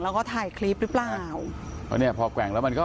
แล้วก็ถ่ายคลิปหรือเปล่าเพราะเนี้ยพอแกว่งแล้วมันก็